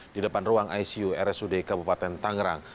di depan ruang icu rsud kabupaten tangerang